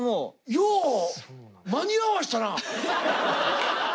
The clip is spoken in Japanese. よう間に合わしたな！